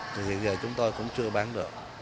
thì hiện giờ chúng tôi cũng chưa bán được